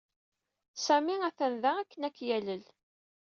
Sami atan da akken ad k-yalel.